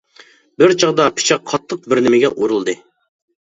بىر چاغدا پىچاق قاتتىق بىر نېمىگە ئۇرۇلدى.